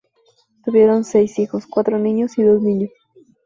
Tuvieron seis hijos; cuatro niños y dos niñas.